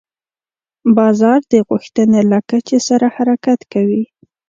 بازار د غوښتنې له کچې سره حرکت کوي.